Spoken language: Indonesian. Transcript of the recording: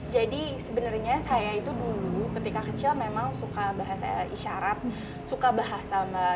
jadi sebenarnya saya itu dulu ketika kecil memang suka bahasa isyarat suka bahasa mbak